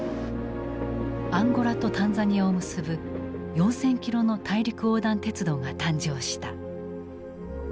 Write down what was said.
アンゴラとタンザニアを結ぶ４，０００キロの大陸横断鉄道が誕生した。